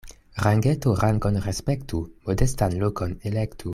Rangeto rangon respektu, modestan lokon elektu.